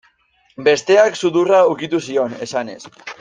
Besteak, sudurra ukitu zion, esanez.